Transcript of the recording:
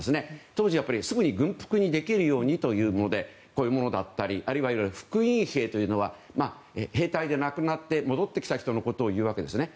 当時、すぐに軍服にできるようにということでこういうものだったりあるいは復員兵というのは兵隊でなくなって戻ってきた人のことをいうわけですね。